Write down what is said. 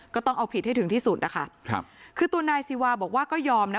ก็ต้องเอาผิดให้ถึงที่สุดนะคะครับคือตัวนายซีวาบอกว่าก็ยอมนะ